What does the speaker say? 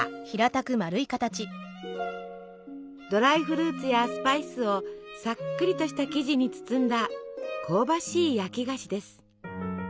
ドライフルーツやスパイスをさっくりとした生地に包んだ香ばしい焼き菓子です。